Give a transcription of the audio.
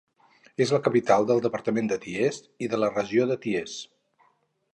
És la capital del departament de Thiès i de la regió de Thiès.